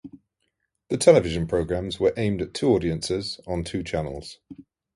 The television programs were aimed at two audiences on two channels.